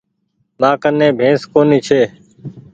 مآ ڪني بينس ڪونيٚ ڇي۔